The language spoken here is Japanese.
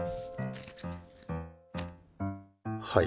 はい。